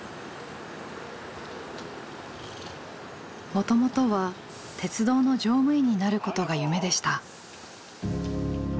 もともとは鉄道の乗務員になることが夢でした。